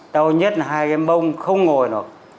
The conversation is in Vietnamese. đau nhất là hai cái bông không ngồi được